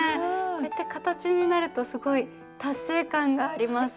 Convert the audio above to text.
こうやって形になるとすごい達成感があります。